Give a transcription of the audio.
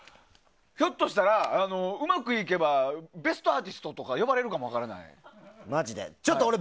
ひょっとしたらうまくいったら「ベストアーティスト」とか呼ばれるかも分からない。